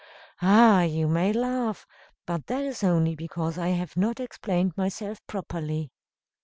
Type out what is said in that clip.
Ah! you may laugh; but that is only because I have not explained myself properly."